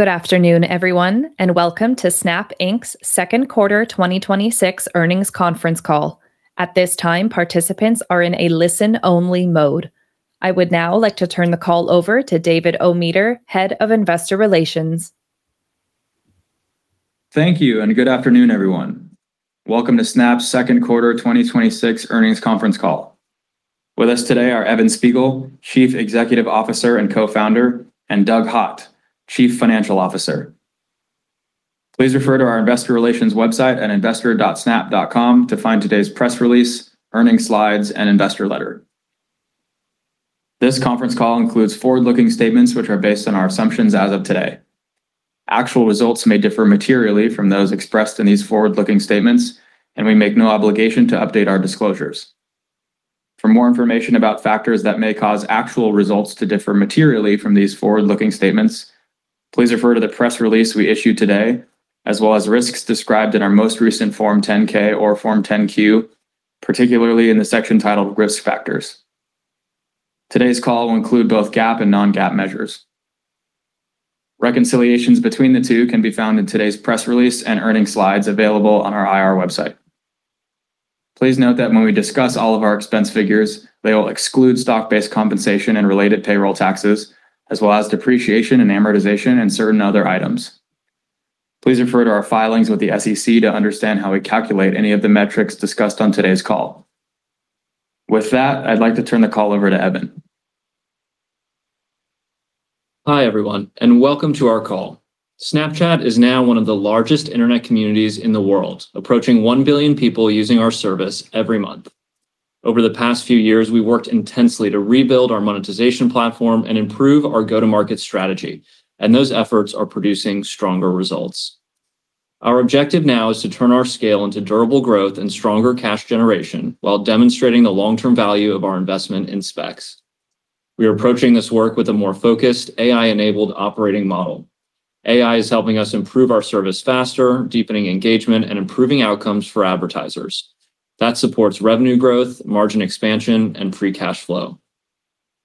Good afternoon, everyone, and welcome to Snap Inc.'s second quarter 2026 earnings conference call. At this time, participants are in a listen-only mode. I would now like to turn the call over to David Ometer, Head of Investor Relations. Thank you. Good afternoon, everyone. Welcome to Snap's second quarter 2026 earnings conference call. With us today are Evan Spiegel, Chief Executive Officer and Co-Founder, and Doug Hott, Chief Financial Officer. Please refer to our investor relations website at investor.snap.com to find today's press release, earnings slides, and investor letter. This conference call includes forward-looking statements which are based on our assumptions as of today. Actual results may differ materially from those expressed in these forward-looking statements, and we make no obligation to update our disclosures. For more information about factors that may cause actual results to differ materially from these forward-looking statements, please refer to the press release we issued today, as well as risks described in our most recent Form 10-K or Form 10-Q, particularly in the section titled Risk Factors. Today's call will include both GAAP and non-GAAP measures. Reconciliations between the two can be found in today's press release and earnings slides available on our IR website. Please note that when we discuss all of our expense figures, they will exclude stock-based compensation and related payroll taxes, as well as depreciation and amortization and certain other items. Please refer to our filings with the SEC to understand how we calculate any of the metrics discussed on today's call. With that, I'd like to turn the call over to Evan. Hi, everyone. Welcome to our call. Snapchat is now one of the largest internet communities in the world, approaching 1 billion people using our service every month. Over the past few years, we worked intensely to rebuild our monetization platform and improve our go-to-market strategy, and those efforts are producing stronger results. Our objective now is to turn our scale into durable growth and stronger cash generation while demonstrating the long-term value of our investment in Specs. We are approaching this work with a more focused AI-enabled operating model. AI is helping us improve our service faster, deepening engagement, and improving outcomes for advertisers. That supports revenue growth, margin expansion, and free cash flow.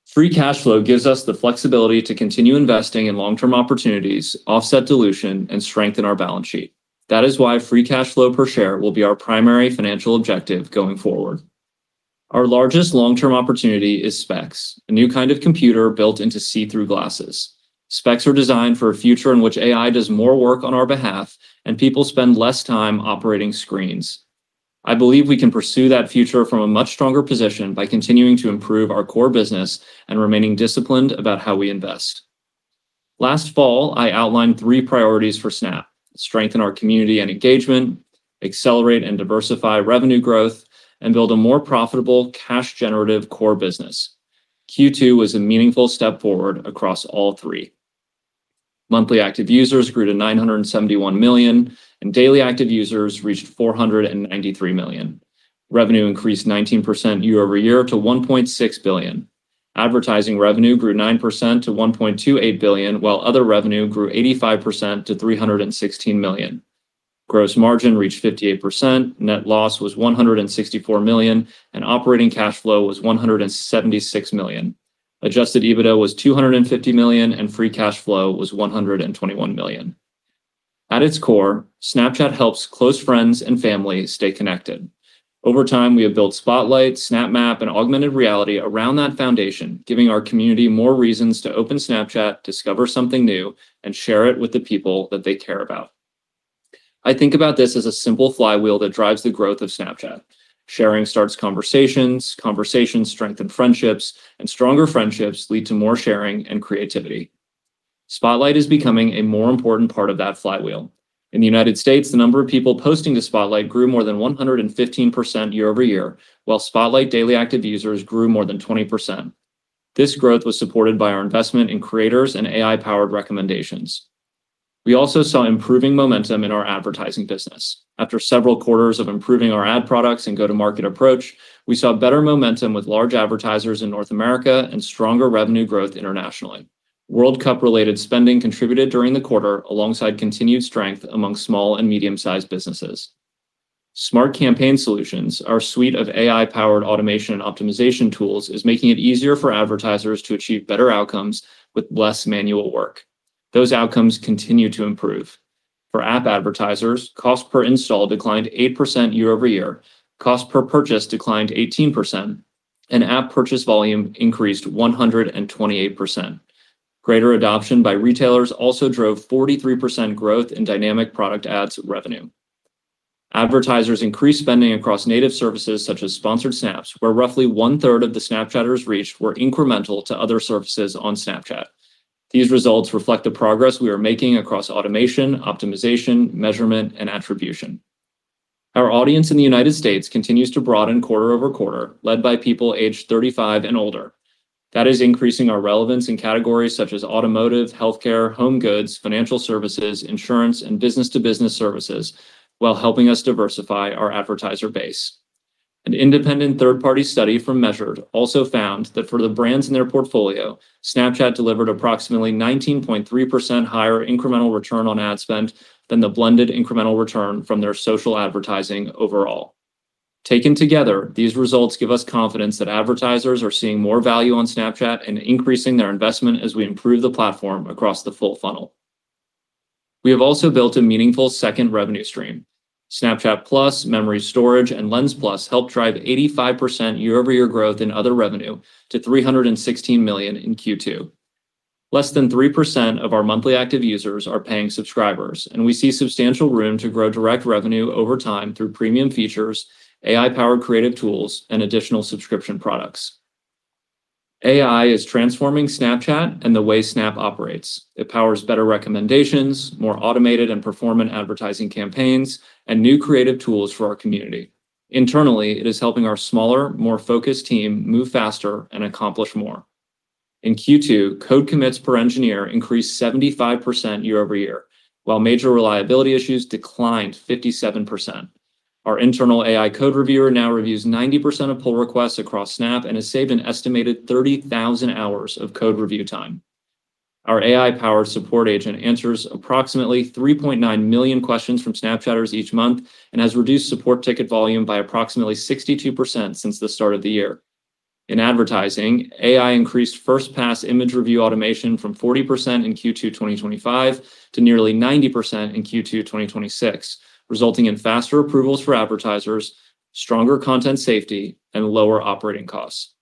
Free cash flow gives us the flexibility to continue investing in long-term opportunities, offset dilution, and strengthen our balance sheet. That is why free cash flow per share will be our primary financial objective going forward. Our largest long-term opportunity is Specs, a new kind of computer built into see-through glasses. Specs are designed for a future in which AI does more work on our behalf and people spend less time operating screens. I believe we can pursue that future from a much stronger position by continuing to improve our core business and remaining disciplined about how we invest. Last fall, I outlined three priorities for Snap: strengthen our community and engagement, accelerate and diversify revenue growth, and build a more profitable, cash-generative core business. Q2 was a meaningful step forward across all three. Monthly active users grew to 971 million, and daily active users reached 493 million. Revenue increased 19% year-over-year to $1.6 billion. Advertising revenue grew 9% to $1.28 billion, while other revenue grew 85% to $316 million. Gross margin reached 58%, net loss was $164 million, and operating cash flow was $176 million. Adjusted EBITDA was $250 million, and free cash flow was $121 million. At its core, Snapchat helps close friends and family stay connected. Over time, we have built Spotlight, Snap Map, and augmented reality around that foundation, giving our community more reasons to open Snapchat, discover something new, and share it with the people that they care about. I think about this as a simple flywheel that drives the growth of Snapchat. Sharing starts conversations strengthen friendships, and stronger friendships lead to more sharing and creativity. Spotlight is becoming a more important part of that flywheel. In the United States, the number of people posting to Spotlight grew more than 115% year-over-year, while Spotlight daily active users grew more than 20%. This growth was supported by our investment in creators and AI-powered recommendations. We also saw improving momentum in our advertising business. After several quarters of improving our ad products and go-to-market approach, we saw better momentum with large advertisers in North America and stronger revenue growth internationally. World Cup-related spending contributed during the quarter alongside continued strength among small and medium-sized businesses. Smart Campaign solutions, our suite of AI-powered automation and optimization tools, is making it easier for advertisers to achieve better outcomes with less manual work. Those outcomes continue to improve. For app advertisers, cost per install declined 8% year-over-year, cost per purchase declined 18%, and app purchase volume increased 128%. Greater adoption by retailers also drove 43% growth in dynamic product ads revenue. Advertisers increased spending across native services such as Sponsored Snaps, where roughly one-third of the Snapchatters reached were incremental to other services on Snapchat. These results reflect the progress we are making across automation, optimization, measurement, and attribution. Our audience in the United States continues to broaden quarter-over-quarter, led by people aged 35 and older. That is increasing our relevance in categories such as automotive, healthcare, home goods, financial services, insurance, and business-to-business services while helping us diversify our advertiser base. An independent third-party study from Measured also found that for the brands in their portfolio, Snapchat delivered approximately 19.3% higher incremental return on ad spend than the blended incremental return from their social advertising overall. Taken together, these results give us confidence that advertisers are seeing more value on Snapchat and increasing their investment as we improve the platform across the full funnel. We have also built a meaningful second revenue stream. Snapchat+, Memories Storage, and Lens+ help drive 85% year-over-year growth in other revenue to $316 million in Q2. Less than 3% of our monthly active users are paying subscribers, and we see substantial room to grow direct revenue over time through premium features, AI-powered creative tools, and additional subscription products. AI is transforming Snapchat and the way Snap operates. It powers better recommendations, more automated and performant advertising campaigns, and new creative tools for our community. Internally, it is helping our smaller, more focused team move faster and accomplish more. In Q2, code commits per engineer increased 75% year-over-year, while major reliability issues declined 57%. Our internal AI code reviewer now reviews 90% of pull requests across Snap and has saved an estimated 30,000 hours of code review time. Our AI-powered support agent answers approximately 3.9 million questions from Snapchatters each month and has reduced support ticket volume by approximately 62% since the start of the year. In advertising, AI increased first-pass image review automation from 40% in Q2 2025 to nearly 90% in Q2 2026, resulting in faster approvals for advertisers, stronger content safety, and lower operating costs.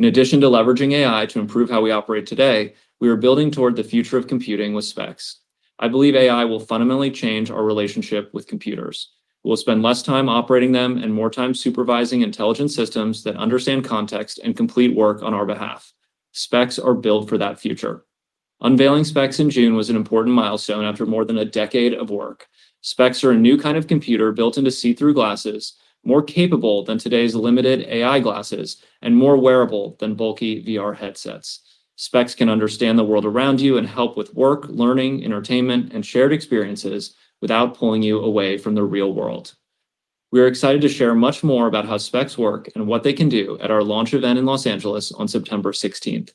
In addition to leveraging AI to improve how we operate today, we are building toward the future of computing with Spectacles. I believe AI will fundamentally change our relationship with computers. We'll spend less time operating them and more time supervising intelligent systems that understand context and complete work on our behalf. Spectacles are built for that future. Unveiling Spectacles in June was an important milestone after more than a decade of work. Spectacles are a new kind of computer built into see-through glasses, more capable than today's limited AI glasses and more wearable than bulky VR headsets. Spectacles can understand the world around you and help with work, learning, entertainment, and shared experiences without pulling you away from the real world. We are excited to share much more about how Spectacles work and what they can do at our launch event in Los Angeles on September 16th.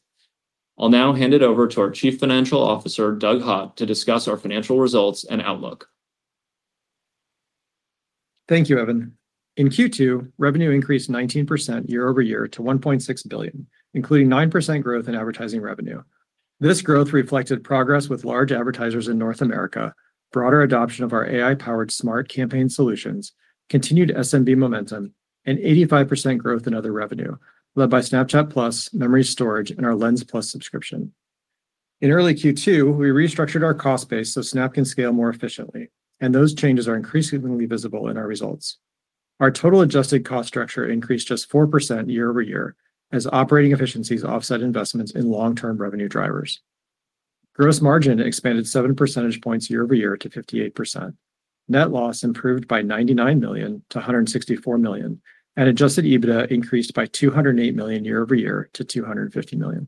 I'll now hand it over to our Chief Financial Officer, Doug Hott, to discuss our financial results and outlook. Thank you, Evan. In Q2, revenue increased 19% year-over-year to $1.6 billion, including 9% growth in advertising revenue. This growth reflected progress with large advertisers in North America, broader adoption of our AI-powered Smart Campaign solutions, continued SMB momentum, and 85% growth in other revenue, led by Snapchat+, Memories Storage, and our Lens+ subscription. In early Q2, we restructured our cost base Snap can scale more efficiently, and those changes are increasingly visible in our results. Our total adjusted cost structure increased just 4% year-over-year as operating efficiencies offset investments in long-term revenue drivers. Gross margin expanded seven percentage points year-over-year to 58%. Net loss improved by $99 million to $164 million, and Adjusted EBITDA increased by $208 million year-over-year to $250 million.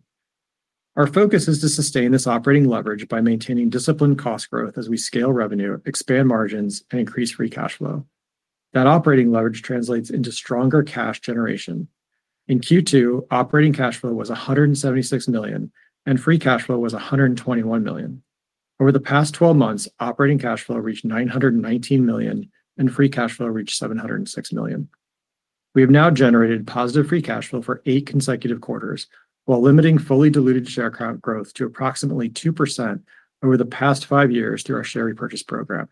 Our focus is to sustain this operating leverage by maintaining disciplined cost growth as we scale revenue, expand margins, and increase free cash flow. That operating leverage translates into stronger cash generation. In Q2, operating cash flow was $176 million, and free cash flow was $121 million. Over the past 12 months, operating cash flow reached $919 million, and free cash flow reached $706 million. We have now generated positive free cash flow for eight consecutive quarters while limiting fully diluted share count growth to approximately 2% over the past five years through our share repurchase program.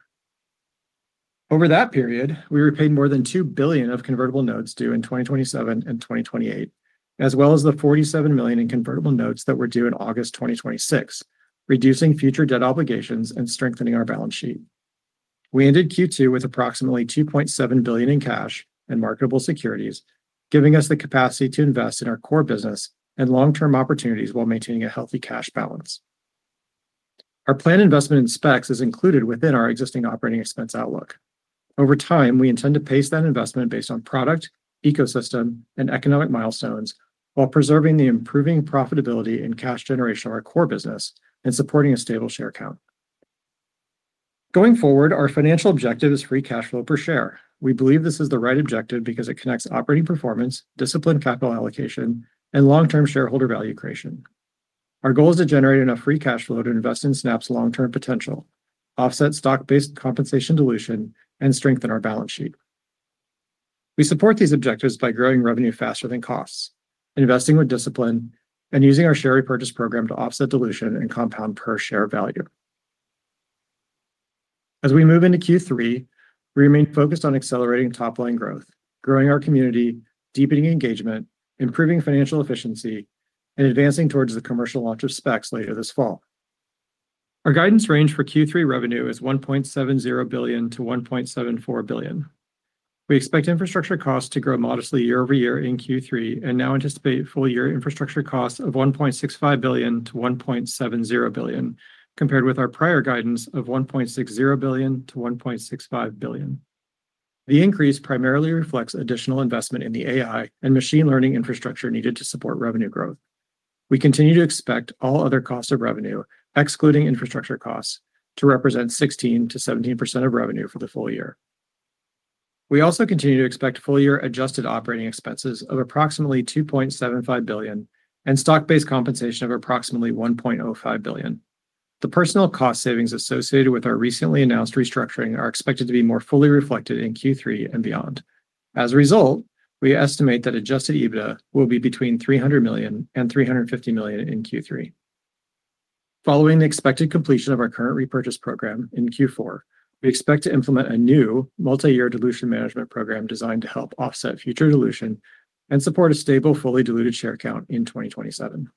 Over that period, we repaid more than $2 billion of convertible notes due in 2027 and 2028, as well as the $47 million in convertible notes that were due in August 2026, reducing future debt obligations and strengthening our balance sheet. We ended Q2 with approximately $2.7 billion in cash and marketable securities, giving us the capacity to invest in our core business and long-term opportunities while maintaining a healthy cash balance. Our planned investment in Specs is included within our existing operating expense outlook. Over time, we intend to pace that investment based on product, ecosystem, and economic milestones while preserving the improving profitability and cash generation of our core business and supporting a stable share count. Going forward, our financial objective is free cash flow per share. We believe this is the right objective because it connects operating performance, disciplined capital allocation, and long-term shareholder value creation. Our goal is to generate enough free cash flow to invest in Snap's long-term potential, offset stock-based compensation dilution, and strengthen our balance sheet. We support these objectives by growing revenue faster than costs, investing with discipline, and using our share repurchase program to offset dilution and compound per-share value. As we move into Q3, we remain focused on accelerating top-line growth, growing our community, deepening engagement, improving financial efficiency, and advancing towards the commercial launch of Specs later this fall. Our guidance range for Q3 revenue is $1.70 billion to $1.74 billion. We expect infrastructure costs to grow modestly year-over-year in Q3 and now anticipate full-year infrastructure costs of $1.65 billion to $1.70 billion, compared with our prior guidance of $1.60 billion to $1.65 billion. The increase primarily reflects additional investment in the AI and machine learning infrastructure needed to support revenue growth. We continue to expect all other costs of revenue, excluding infrastructure costs, to represent 16%-17% of revenue for the full-year. We also continue to expect full-year adjusted operating expenses of approximately $2.75 billion and stock-based compensation of approximately $1.05 billion. The personal cost savings associated with our recently announced restructuring are expected to be more fully reflected in Q3 and beyond. As a result, we estimate that adjusted EBITDA will be between $300 million and $350 million in Q3. Following the expected completion of our current repurchase program in Q4, we expect to implement a new multi-year dilution management program designed to help offset future dilution and support a stable, fully diluted share count in 2027.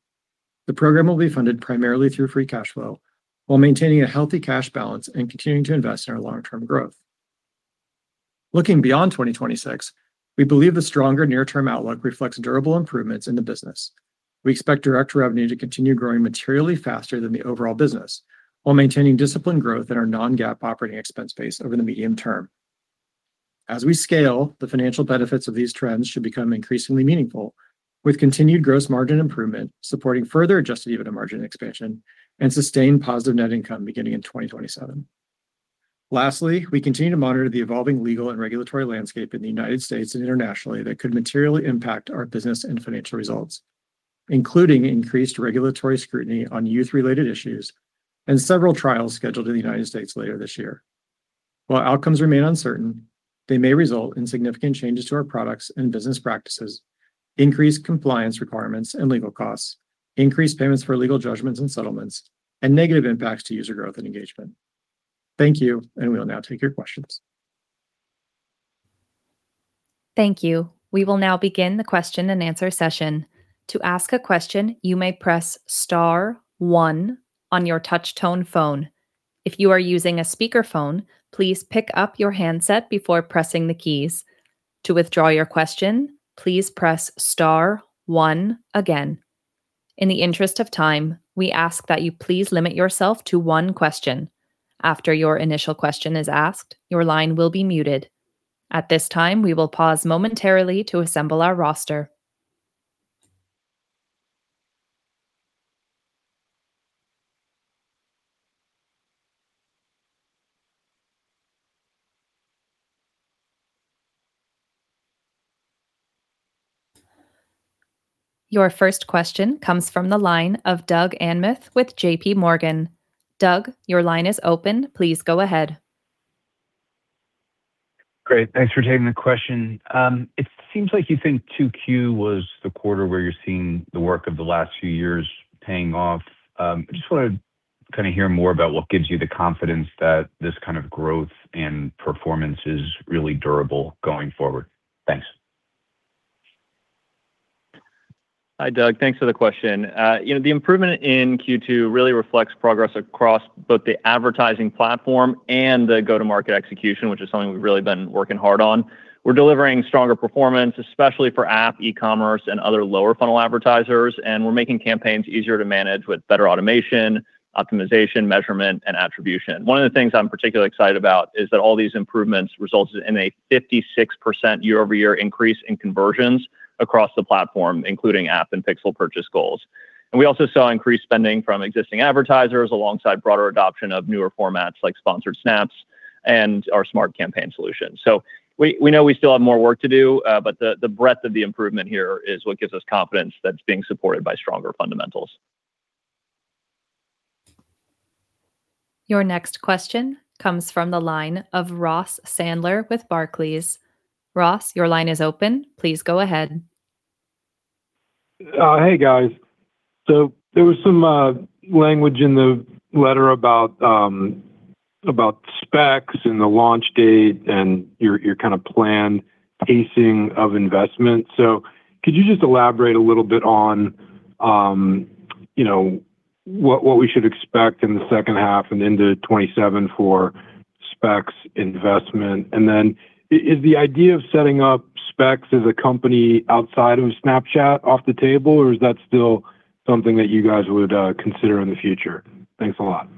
The program will be funded primarily through free cash flow while maintaining a healthy cash balance and continuing to invest in our long-term growth. Looking beyond 2026, we believe the stronger near-term outlook reflects durable improvements in the business. We expect direct revenue to continue growing materially faster than the overall business while maintaining disciplined growth in our non-GAAP operating expense base over the medium term. As we scale, the financial benefits of these trends should become increasingly meaningful, with continued gross margin improvement supporting further adjusted EBITDA margin expansion and sustained positive net income beginning in 2027. Lastly, we continue to monitor the evolving legal and regulatory landscape in the United States and internationally that could materially impact our business and financial results, including increased regulatory scrutiny on youth-related issues and several trials scheduled in the United States later this year. While outcomes remain uncertain, they may result in significant changes to our products and business practices, increased compliance requirements and legal costs, increased payments for legal judgments and settlements, and negative impacts to user growth and engagement. Thank you. We'll now take your questions. Thank you. We will now begin the question and answer session. To ask a question, you may press star one on your touchtone phone. If you are using a speakerphone, please pick up your handset before pressing the keys. To withdraw your question, please press star one again. In the interest of time, we ask that you please limit yourself to one question. After your initial question is asked, your line will be muted. At this time, we will pause momentarily to assemble our roster. Your first question comes from the line of Doug Anmuth with JPMorgan. Doug, your line is open. Please go ahead. Great. Thanks for taking the question. It seems like you think 2Q was the quarter where you're seeing the work of the last few years paying off. I just want to hear more about what gives you the confidence that this kind of growth and performance is really durable going forward. Thanks. Hi, Doug. Thanks for the question. The improvement in Q2 really reflects progress across both the advertising platform and the go-to-market execution, which is something we've really been working hard on. We're delivering stronger performance, especially for app, e-commerce, and other lower-funnel advertisers, and we're making campaigns easier to manage with better automation, optimization, measurement, and attribution. One of the things I'm particularly excited about is that all these improvements resulted in a 56% year-over-year increase in conversions across the platform, including app and pixel purchase goals. We also saw increased spending from existing advertisers alongside broader adoption of newer formats like Sponsored Snaps and our Smart Campaign solution. We know we still have more work to do, but the breadth of the improvement here is what gives us confidence that it's being supported by stronger fundamentals. Your next question comes from the line of Ross Sandler with Barclays. Ross, your line is open. Please go ahead. Hey, guys. There was some language in the letter about Spectacles and the launch date and your planned pacing of investment. Could you just elaborate a little bit on what we should expect in the second half and into 2027 for Spectacles investment? Is the idea of setting up Spectacles as a company outside of Snapchat off the table, or is that still something that you guys would consider in the future? Thanks a lot.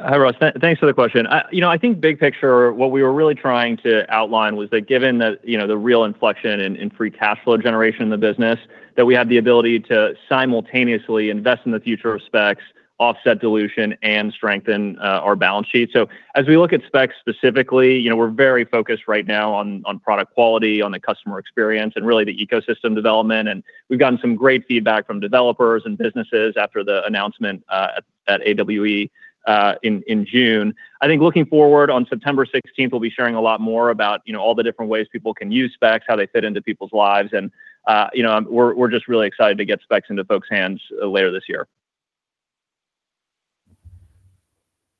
Hi, Ross. Thanks for the question. I think big picture, what we were really trying to outline was that given the real inflection in free cash flow generation in the business, that we have the ability to simultaneously invest in the future of Specs, offset dilution, and strengthen our balance sheet. As we look at Specs specifically, we're very focused right now on product quality, on the customer experience, and really the ecosystem development, and we've gotten some great feedback from developers and businesses after the announcement at AWE in June. I think looking forward on September 16th, we'll be sharing a lot more about all the different ways people can use Specs, how they fit into people's lives, and we're just really excited to get Specs into folks' hands later this year.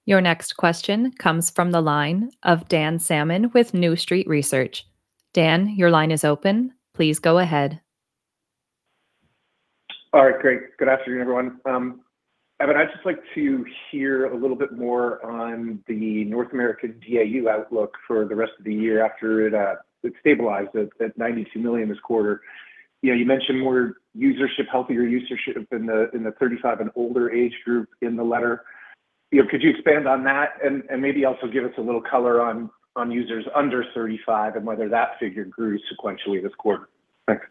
Your next question comes from the line of Dan Salmon with New Street Research. Dan, your line is open. Please go ahead. All right, great. Good afternoon, everyone. Evan, I'd just like to hear a little bit more on the North American DAU outlook for the rest of the year after it stabilized at 92 million this quarter. You mentioned more healthier usership in the 35 and-older age group in the letter. Could you expand on that and maybe also give us a little color on users under 35 and whether that figure grew sequentially this quarter? Thanks.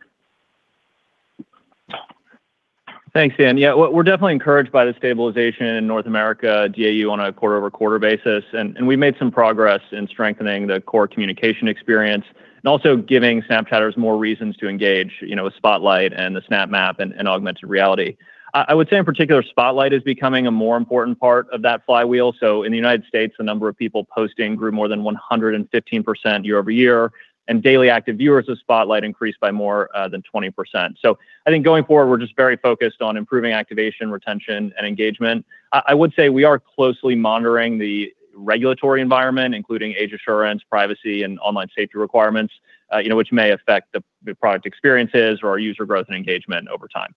Thanks, Dan. Yeah, we're definitely encouraged by the stabilization in North America DAU on a quarter-over-quarter basis. We made some progress in strengthening the core communication experience and also giving Snapchatters more reasons to engage, with Spotlight and the Snap Map and augmented reality. I would say in particular, Spotlight is becoming a more important part of that flywheel. In the United States, the number of people posting grew more than 115% year-over-year, and daily active viewers of Spotlight increased by more than 20%. I think going forward, we're just very focused on improving activation, retention, and engagement. I would say we are closely monitoring the regulatory environment, including age assurance, privacy, and online safety requirements which may affect the product experiences or our user growth and engagement over time.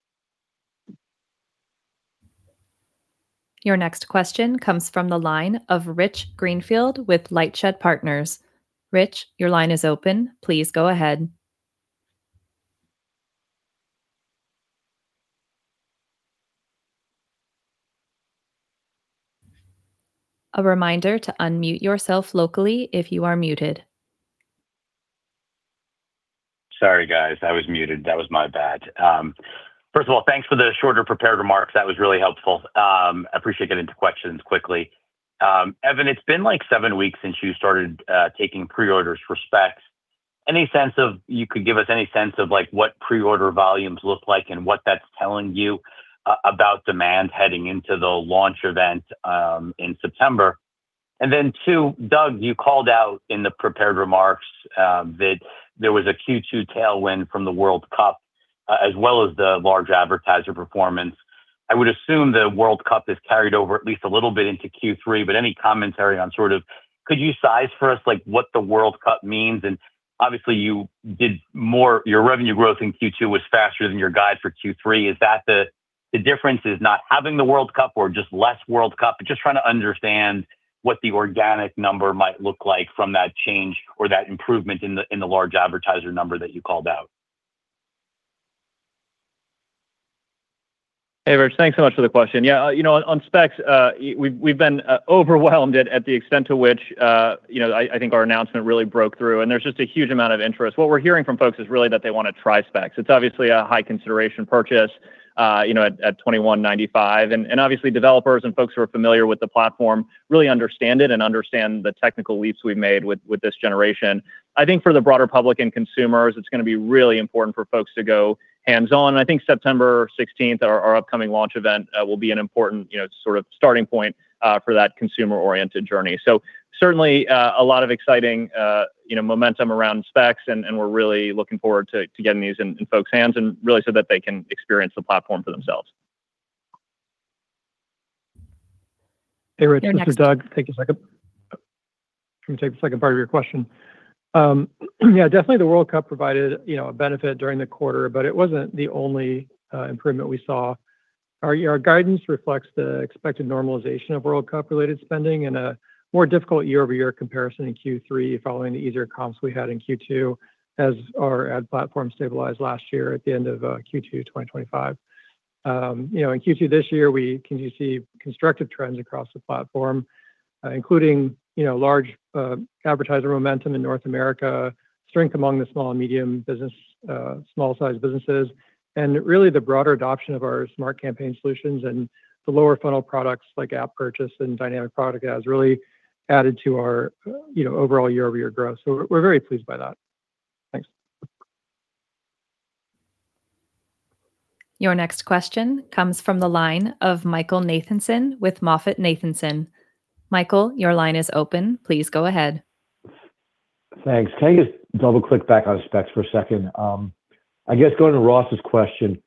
Your next question comes from the line of Rich Greenfield with LightShed Partners. Rich, your line is open. Please go ahead. A reminder to unmute yourself locally if you are muted. Sorry, guys. I was muted. That was my bad. First of all, thanks for the shorter prepared remarks. That was really helpful. I appreciate getting to questions quickly. Evan, it's been seven weeks since you started taking pre-orders for Spectacles. You could give us any sense of what pre-order volumes look like and what that's telling you about demand heading into the launch event in September? Two, Doug, you called out in the prepared remarks that there was a Q2 tailwind from the World Cup, as well as the large advertiser performance. I would assume the World Cup is carried over at least a little bit into Q3. Any commentary on could you size for us what the World Cup means? Obviously your revenue growth in Q2 was faster than your guide for Q3. Is the difference not having the World Cup or just less World Cup? Just trying to understand what the organic number might look like from that change or that improvement in the large advertiser number that you called out. Hey, Rich. Thanks so much for the question. Yeah. On Spectacles, we've been overwhelmed at the extent to which I think our announcement really broke through, and there's just a huge amount of interest. What we're hearing from folks is really that they want to try Spectacles. It's obviously a high consideration purchase at $2,195. Obviously developers and folks who are familiar with the platform really understand it and understand the technical leaps we've made with this generation. I think for the broader public and consumers, it's going to be really important for folks to go hands-on. I think September 16th at our upcoming launch event will be an important starting point for that consumer-oriented journey. Certainly, a lot of exciting momentum around Spectacles and we're really looking forward to getting these in folks' hands so that they can experience the platform for themselves. Your next Hey, Rich. This is Doug. Take the second part of your question. Yeah, definitely the World Cup provided a benefit during the quarter. It wasn't the only improvement we saw. Our guidance reflects the expected normalization of World Cup-related spending and a more difficult year-over-year comparison in Q3 following the easier comps we had in Q2 as our ad platform stabilized last year at the end of Q2 2025. In Q2 this year, we continue to see constructive trends across the platform including large advertiser momentum in North America, strength among the small and medium-sized businesses. Really the broader adoption of our Smart Campaign solutions and the lower funnel products like app purchase and dynamic product ads really added to our overall year-over-year growth. We're very pleased by that. Thanks. Your next question comes from the line of Michael Nathanson with MoffettNathanson. Michael, your line is open. Please go ahead. Thanks. Can I just double-click back on Spectacles for a second? I guess going to Ross's question,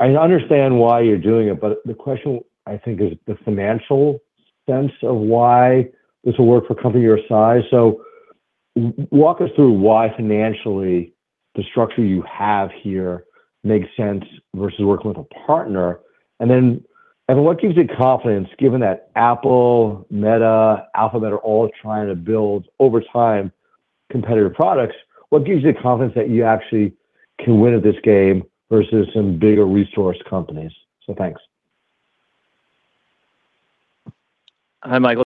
I understand why you're doing it, but the question I think is the financial sense of why this will work for a company your size. Walk us through why financially the structure you have here makes sense versus working with a partner. Evan, what gives you confidence given that Apple, Meta, Alphabet are all trying to build, over time, competitor products? What gives you the confidence that you actually can win at this game versus some bigger resourced companies? Thanks. Hi, Michael.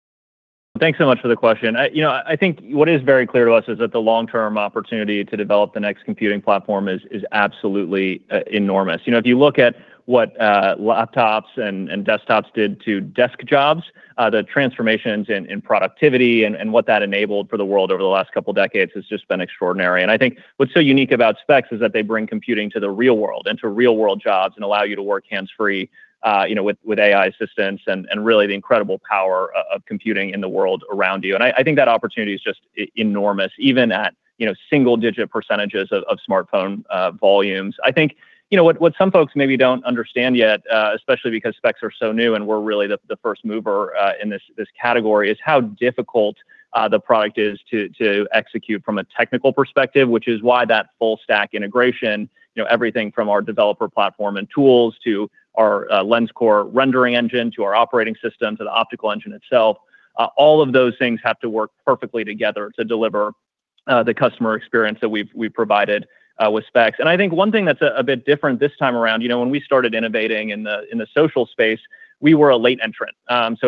Thanks so much for the question. I think what is very clear to us is that the long-term opportunity to develop the next computing platform is absolutely enormous. If you look at what laptops and desktops did to desk jobs, the transformations in productivity and what that enabled for the world over the last couple of decades has just been extraordinary. I think what's so unique about Spectacles is that they bring computing to the real world and to real-world jobs and allow you to work hands-free with AI assistance and really the incredible power of computing in the world around you. I think that opportunity is just enormous, even at single-digit percentages of smartphone volumes. I think what some folks maybe don't understand yet, especially because Spectacles are so new and we're really the first mover in this category, is how difficult the product is to execute from a technical perspective, which is why that full stack integration, everything from our developer platform and tools to our LensCore rendering engine to our operating system to the optical engine itself, all of those things have to work perfectly together to deliver the customer experience that we've provided with Spectacles. I think one thing that's a bit different this time around, when we started innovating in the social space, we were a late entrant. Most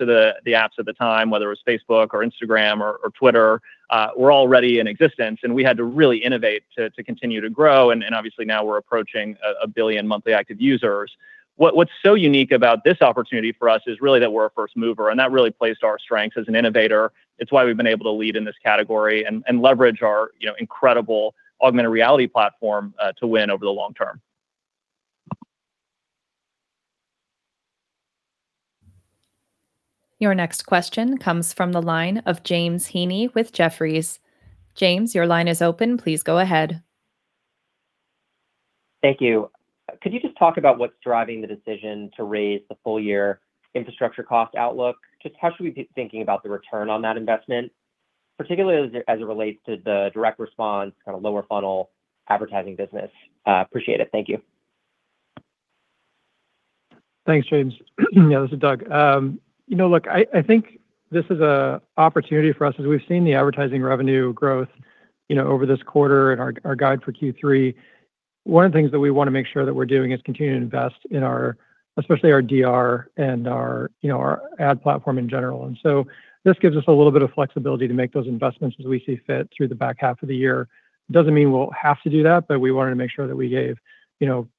of the apps at the time, whether it was Facebook or Instagram or X, were already in existence, and we had to really innovate to continue to grow, and obviously now we're approaching a billion monthly active users. What's so unique about this opportunity for us is really that we're a first mover. That really plays to our strengths as an innovator. It's why we've been able to lead in this category and leverage our incredible augmented reality platform to win over the long term. Your next question comes from the line of James Heaney with Jefferies. James, your line is open. Please go ahead. Thank you. Could you just talk about what's driving the decision to raise the full-year infrastructure cost outlook? How should we be thinking about the return on that investment, particularly as it relates to the direct response, kind of lower-funnel advertising business? Appreciate it. Thank you. Thanks, James. Yeah, this is Doug. I think this is an opportunity for us, as we've seen the advertising revenue growth over this quarter and our guide for Q3. One of the things that we want to make sure that we're doing is continuing to invest in especially our DR and our ad platform in general. This gives us a little bit of flexibility to make those investments as we see fit through the back half of the year. It doesn't mean we'll have to do that, but we wanted to make sure that we gave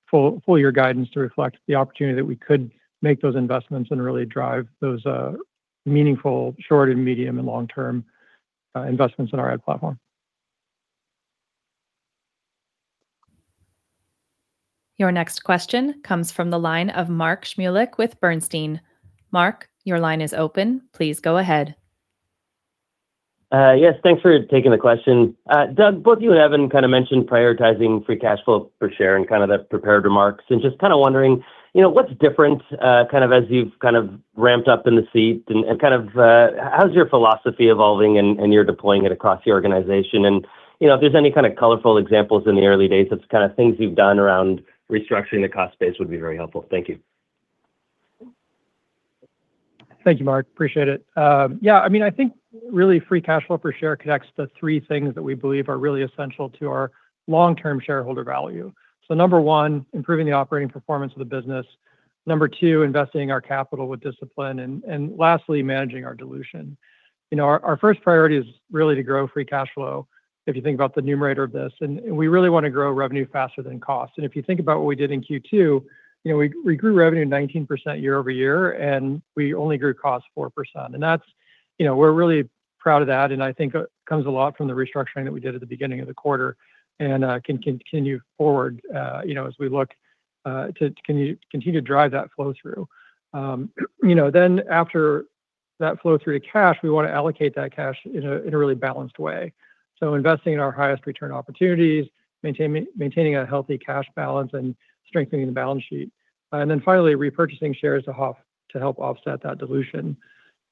full-year guidance to reflect the opportunity that we could make those investments and really drive those meaningful short and medium and long-term investments in our ad platform. Your next question comes from the line of Mark Shmulik with Bernstein. Mark, your line is open. Please go ahead. Yes. Thanks for taking the question. Doug, both you and Evan kind of mentioned prioritizing free cash flow per share in the prepared remarks. Just kind of wondering what's different as you've kind of ramped up in the seat. How's your philosophy evolving and you're deploying it across the organization? If there's any kind of colorful examples in the early days of kind of things you've done around restructuring the cost base would be very helpful. Thank you. Thank you, Mark. Appreciate it. I think really free cash flow per share connects the three things that we believe are really essential to our long-term shareholder value. Number one, improving the operating performance of the business. Number two, investing our capital with discipline. Lastly, managing our dilution. Our first priority is really to grow free cash flow, if you think about the numerator of this. We really want to grow revenue faster than cost. If you think about what we did in Q2, we grew revenue 19% year-over-year, and we only grew cost 4%. We're really proud of that, and I think it comes a lot from the restructuring that we did at the beginning of the quarter and can continue forward as we look to continue to drive that flow through. After that flow through to cash, we want to allocate that cash in a really balanced way. Investing in our highest return opportunities, maintaining a healthy cash balance and strengthening the balance sheet. Finally, repurchasing shares to help offset that dilution.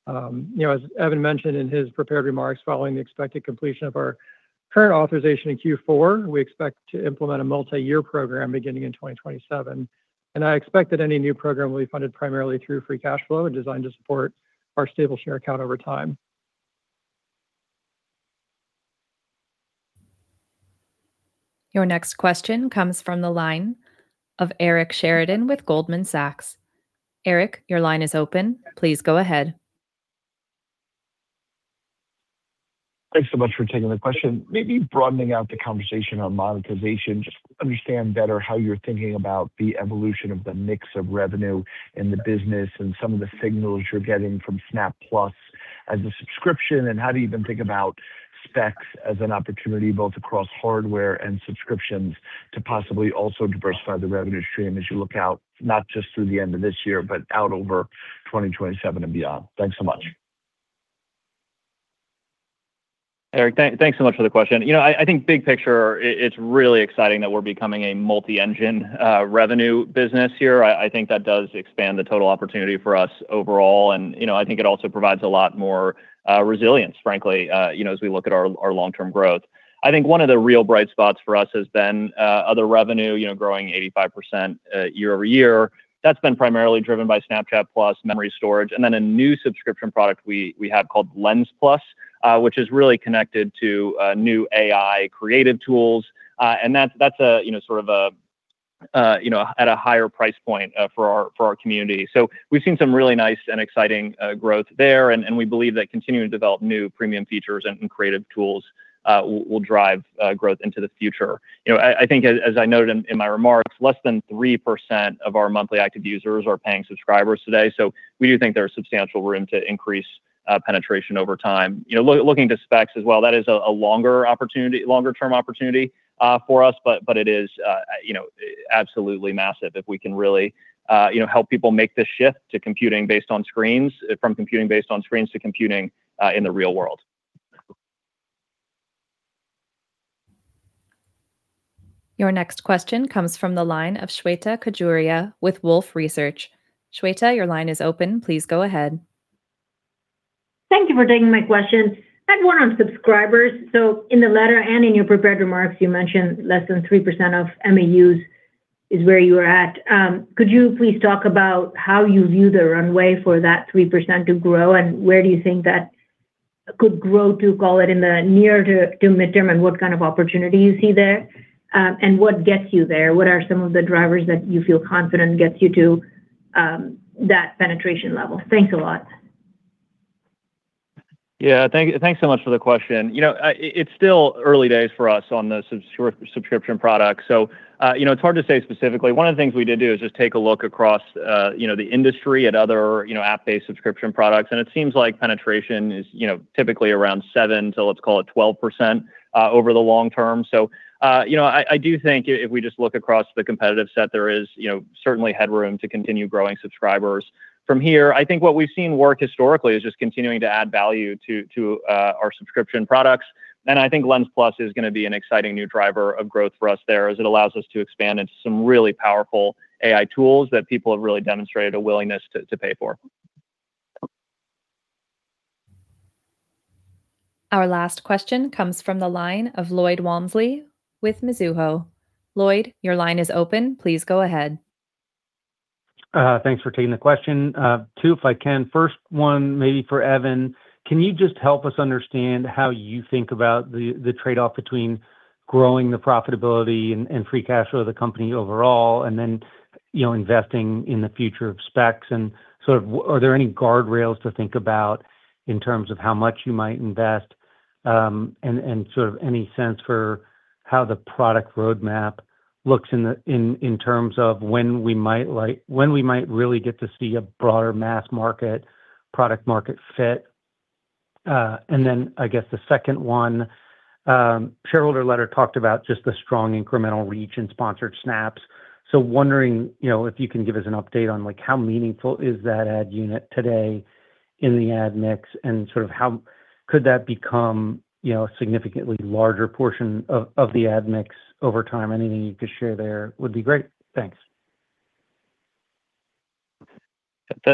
As Evan mentioned in his prepared remarks, following the expected completion of our current authorization in Q4, we expect to implement a multi-year program beginning in 2027. I expect that any new program will be funded primarily through free cash flow and designed to support our stable share count over time. Your next question comes from the line of Eric Sheridan with Goldman Sachs. Eric, your line is open. Please go ahead. Thanks so much for taking the question. Maybe broadening out the conversation on monetization, just to understand better how you're thinking about the evolution of the mix of revenue in the business and some of the signals you're getting from Snap+ as a subscription, and how do you even think about Spectacles as an opportunity both across hardware and subscriptions to possibly also diversify the revenue stream as you look out, not just through the end of this year, but out over 2027 and beyond? Thanks so much. Eric, thanks so much for the question. I think big picture, it's really exciting that we're becoming a multi-engine revenue business here. I think that does expand the total opportunity for us overall, and I think it also provides a lot more resilience, frankly, as we look at our long-term growth. I think one of the real bright spots for us has been other revenue growing 85% year-over-year. That's been primarily driven by Snapchat+, Memories Storage, and then a new subscription product we have called Lens+, which is really connected to new AI creative tools. That's at a higher price point for our community. We've seen some really nice and exciting growth there, and we believe that continuing to develop new premium features and creative tools will drive growth into the future. I think as I noted in my remarks, less than 3% of our monthly active users are paying subscribers today. We do think there's substantial room to increase penetration over time. Looking to Spectacles as well, that is a longer-term opportunity for us, but it is absolutely massive if we can really help people make the shift from computing based on screens to computing in the real world. Your next question comes from the line of Shweta Khajuria with Wolfe Research. Shweta, your line is open. Please go ahead. Thank you for taking my question. I had one on subscribers. In the letter and in your prepared remarks, you mentioned less than 3% of MAUs is where you are at. Could you please talk about how you view the runway for that 3% to grow, and where do you think that could grow to, call it, in the near to midterm, and what kind of opportunity you see there? What gets you there? What are some of the drivers that you feel confident gets you to that penetration level? Thanks a lot. Thanks so much for the question. It's still early days for us on the subscription product, it's hard to say specifically. One of the things we did do is just take a look across the industry at other app-based subscription products, it seems like penetration is typically around 7%-12% over the long term. I do think if we just look across the competitive set, there is certainly headroom to continue growing subscribers from here. I think what we've seen work historically is just continuing to add value to our subscription products. I think Lens+ is going to be an exciting new driver of growth for us there, as it allows us to expand into some really powerful AI tools that people have really demonstrated a willingness to pay for. Our last question comes from the line of Lloyd Walmsley with Mizuho. Lloyd, your line is open. Please go ahead. Thanks for taking the question. Two, if I can. First one, maybe for Evan. Can you just help us understand how you think about the trade-off between growing the profitability and free cash flow of the company overall, then investing in the future of specs? Are there any guardrails to think about in terms of how much you might invest, and any sense for how the product roadmap looks in terms of when we might really get to see a broader mass market product-market fit? I guess the second one, shareholder letter talked about just the strong incremental reach in Sponsored Snaps. Wondering if you can give us an update on how meaningful is that ad unit today in the ad mix, and could that become a significantly larger portion of the ad mix over time? Anything you could share there would be great. Thanks.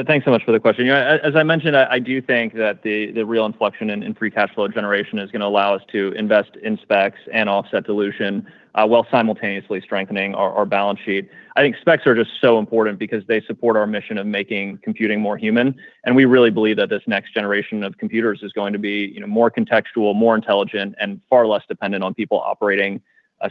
Thanks so much for the question. As I mentioned, I do think that the real inflection in free cash flow generation is going to allow us to invest in specs and offset dilution while simultaneously strengthening our balance sheet. I think specs are just so important because they support our mission of making computing more human, and we really believe that this next generation of computers is going to be more contextual, more intelligent, and far less dependent on people operating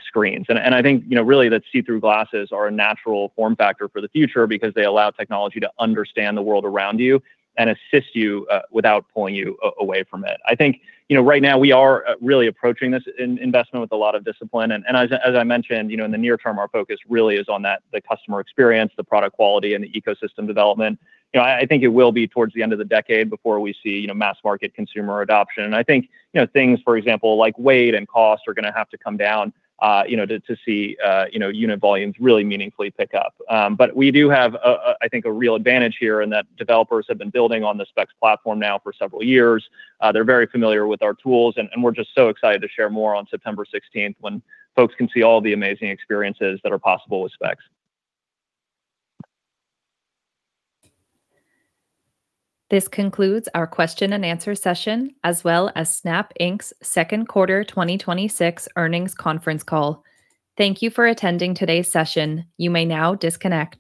screens. I think really that see-through glasses are a natural form factor for the future because they allow technology to understand the world around you and assist you without pulling you away from it. I think right now we are really approaching this investment with a lot of discipline. As I mentioned, in the near term, our focus really is on the customer experience, the product quality, and the ecosystem development. I think it will be towards the end of the decade before we see mass market consumer adoption. I think things, for example, like weight and cost are going to have to come down to see unit volumes really meaningfully pick up. We do have, I think, a real advantage here in that developers have been building on the specs platform now for several years. They're very familiar with our tools, and we're just so excited to share more on September 16th when folks can see all the amazing experiences that are possible with specs. This concludes our question and answer session, as well as Snap Inc.'s second quarter 2026 earnings conference call. Thank you for attending today's session. You may now disconnect